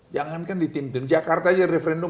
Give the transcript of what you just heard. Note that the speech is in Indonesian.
jangankan di tim tim jakarta aja referendum